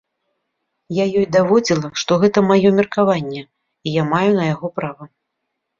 Я ёй даводзіла, што гэта маё меркаванне, і я маю на яго права.